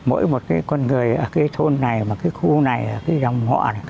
mỗi một con người ở cái thôn này ở cái khu này ở cái dòng ngọn